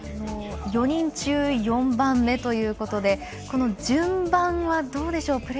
４人中４番目ということでこの順番はどうでしょう。